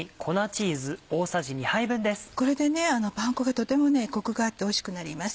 これでパン粉がとてもコクがあっておいしくなります。